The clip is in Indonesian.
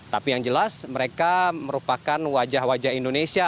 tapi yang jelas mereka merupakan wajah wajah indonesia